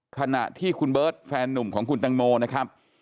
ขณะที่คุณเบิร์ตแฟนหนุ่มของคุณตังโมนะครับ